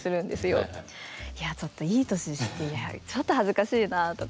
いやちょっといい年してちょっと恥ずかしいなとか。